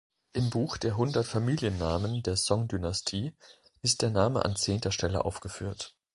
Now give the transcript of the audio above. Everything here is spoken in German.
Im Buch der Hundert Familiennamen der Song-Dynastie ist der Name an zehnter Stelle aufgeführt.